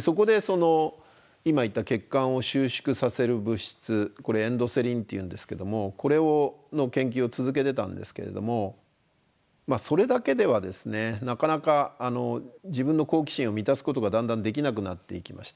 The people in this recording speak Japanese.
そこでその今言った血管を収縮させる物質これエンドセリンっていうんですけどもこれの研究を続けてたんですけれどもまあそれだけではですねなかなか自分の好奇心を満たすことがだんだんできなくなっていきました。